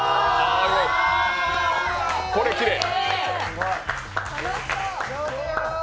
これ、きれい。